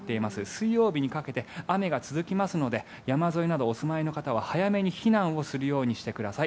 水曜日にかけて雨が続きますので山沿いなどお住まいの方は早めに避難するようにしてください。